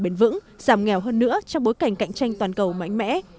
bền vững giảm nghèo hơn nữa trong bối cảnh cạnh tranh toàn cầu mạnh mẽ